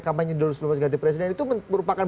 kampanye dua ribu sembilan belas ganti presiden itu merupakan